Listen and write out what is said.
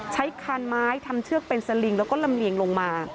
คานไม้ทำเชือกเป็นสลิงแล้วก็ลำเลียงลงมา